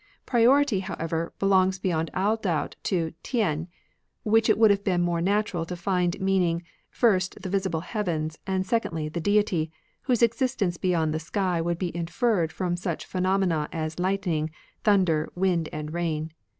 Priority, however, belongs beyond all doubt to THen, which it would have been more natural to find meaning, first the visible heavens, and secondly the Deity, whose existence beyond the sky would be inferred from such phenomena as lightning, thunder, wind, and rain.